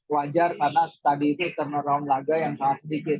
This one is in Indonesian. wajar karena tadi itu turnerround laga yang sangat sedikit